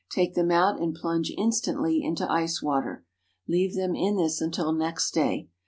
Take them out and plunge instantly into ice water. Leave them in this until next day.